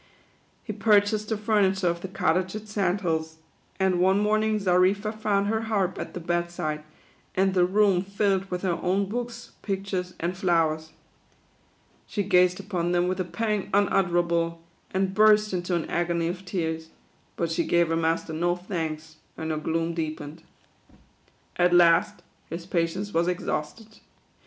He purchased the furniture of the Cottage at Sand Hills, and one morning Xarifa found her harp at the bed side, and the room filled with her own books, pictures, and flowers. She gazed upon them with a pang un utterable, and burst into an agony of tears ; but she gave her master no thanks, and her gloom deepened. At last his patience was exhausted.